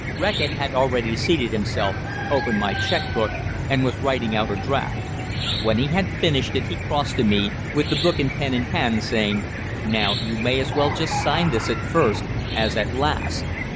Reckitt had already seated himself, opened my cheque book, and was writing out a draft. When he had finished it he crossed to me, with the book and pen in hand, saying "Now you may as well just sign this at first, as at last."